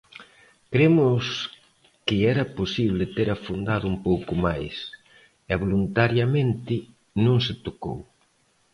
Cremos que era posible ter afondado un pouco máis, e voluntariamente non se tocou.